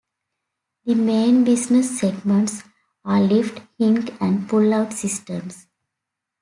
The main business segments are lift, hinge and pull-out systems.